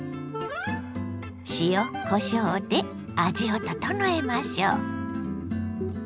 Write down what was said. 塩こしょうで味を調えましょう。